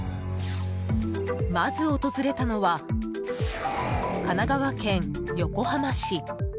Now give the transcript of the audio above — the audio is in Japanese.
まず訪れたのは神奈川県横浜市。